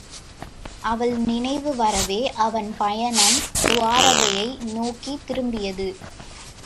அவள் நினைவு வரவே அவன் பயணம் துவாரகை நோக்கித் திரும்பியது.